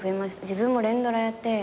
自分も連ドラやって。